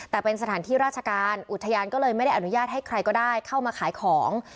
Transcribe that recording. แต่เป็นสถานที่ราชการอุทยานก็เลยไม่ได้อนุญาตให้ใครก็ได้เข้ามาขายของ